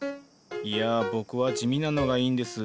いや僕は地味なのがいいんです。